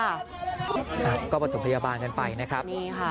แต่เราก็บรรทุกพยาบาลกันไปนะครับ